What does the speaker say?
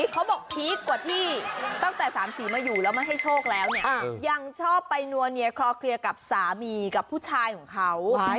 พีคกว่าที่ตั้งแต่สามสีมาอยู่แล้วมาให้โชคแล้วเนี่ยยังชอบไปนัวเนียคลอเคลียร์กับสามีกับผู้ชายของเขา